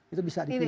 itu bisa dipilih